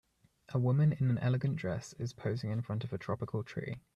A woman in an elegant dress is posing in front of a tropical tree.